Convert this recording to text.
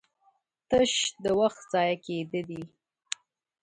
تش د وخت ضايع کېده دي